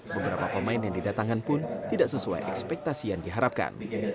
beberapa pemain yang didatangkan pun tidak sesuai ekspektasi yang diharapkan